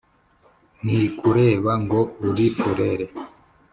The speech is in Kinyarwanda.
ntikureba ngo uri furere